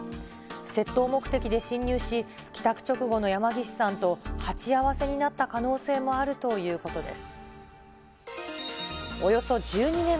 窃盗目的で侵入し、帰宅直後の山岸さんと鉢合わせになった可能性もあるということです。